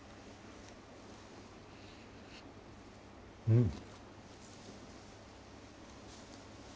うん。